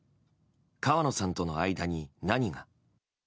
川野さんとの間に何が。